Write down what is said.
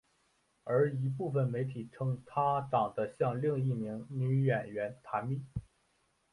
而一部分媒体则称她长得像另一名女演员坛蜜。